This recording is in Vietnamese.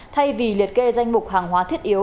thay vì liệt kê danh mục hàng hóa thiết yếu